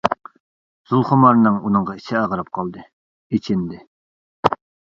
زۇلخۇمارنىڭ ئۇنىڭغا ئىچى ئاغرىپ قالدى، ئېچىندى.